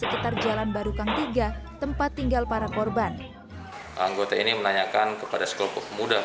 katar jalan barukang tiga tempat tinggal para korban anggota ini menanyakan kepada sekolah pemuda